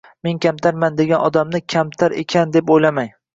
Men kamtarman degan odamni kamtar ekan deb o`ylamang